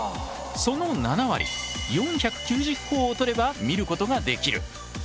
その７割４９０ほぉを取れば見ることができる。